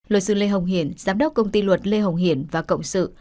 lội sư lê hồng hiển giám đốc công ty luật lê hồng hiển và cộng sự